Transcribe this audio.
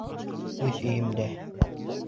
Үҙ өйөмдә.